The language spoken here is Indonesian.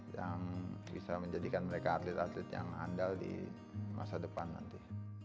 yang bisa menjadikan mereka atlet atlet yang andal di masa depan nanti